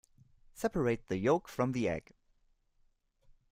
Separate the yolk from the egg.